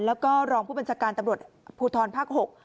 แล้วก็รองผู้บัญชาการตำรวจภูทรภาค๖